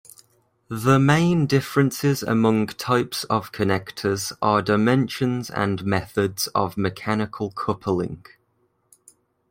The main differences among types of connectors are dimensions and methods of mechanical coupling.